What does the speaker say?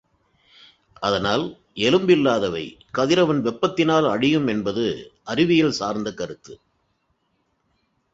அதனால் எலும்பு இல்லாதவை கதிரவன் வெப்பத்தினால் அழியும் என்பது அறிவியற் சார்ந்த கருத்து.